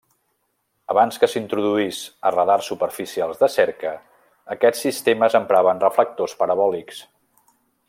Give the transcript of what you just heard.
Abans que s'introduís a radars superficials de cerca, aquests sistemes empraven reflectors parabòlics.